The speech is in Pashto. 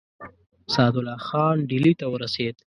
سعدالله خان ډهلي ته ورسېد.